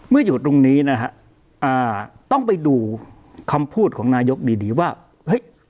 อยู่ตรงนี้นะฮะอ่าต้องไปดูคำพูดของนายกดีดีว่าเฮ้ย